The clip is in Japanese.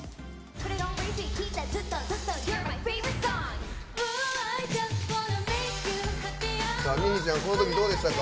このとき、どうでしたか？